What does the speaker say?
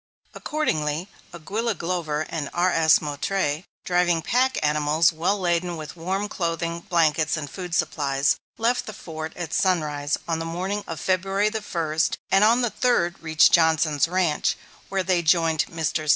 Accordingly, Aguilla Glover and R.S. Moutrey, driving pack animals well laden with warm clothing, blankets, and food supplies, left the Fort at sunrise on the morning of February the first, and on the third reached Johnson's ranch, where they joined Messrs.